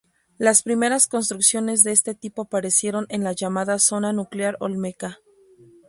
Las primeras construcciones de este tipo aparecieron en la llamada zona nuclear olmeca.